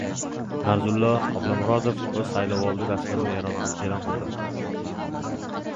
Narzullo Oblomurodov o‘z saylovoldi dasturini e'lon qildi